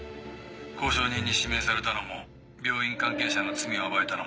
交渉人に指名されたのも病院関係者の罪を暴いたのも。